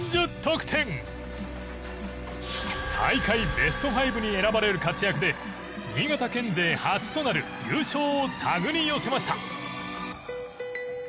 大会ベスト５に選ばれる活躍で新潟県勢初となる優勝を手繰り寄せました。